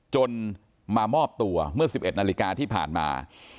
จนมามอบตัวเมื่อ๑๑นาฬิกาที่ผ่านมา